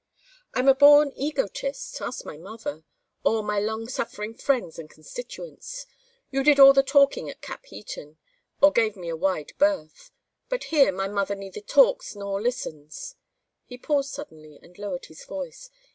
"I am a born egotist. Ask my mother. Or my long suffering friends and constituents. You did all the talking at Capheaton or gave me a wide berth. But here my mother neither talks nor listens " He paused suddenly and lowered his voice.